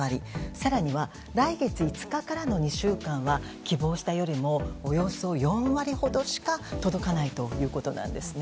更には、来月５日からの２週間は希望したよりもおよそ４割ほどしか届かないということです。